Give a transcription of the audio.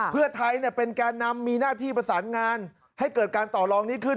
เพื่อไทยเป็นแก่นำมีหน้าที่ประสานงานให้เกิดการต่อลองนี้ขึ้น